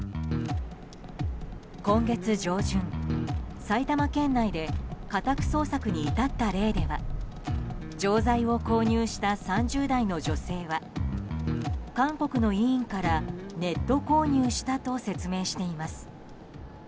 今月上旬、埼玉県内で家宅捜索に至った例では錠剤を購入した３０代の女性は韓国の医院からネット購入したと説明しています。